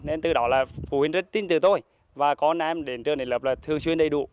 nên từ đó là phụ huynh rất tin từ tôi và con em đến trường để lập là thường xuyên đầy đủ